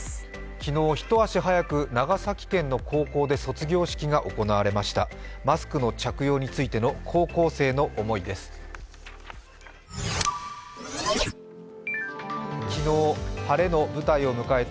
昨日一足早く長崎県の高校で卒業式が行われました。